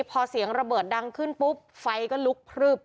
พอเสียงระเบิดดังขึ้นปุ๊บไฟก็ลุกพลึบ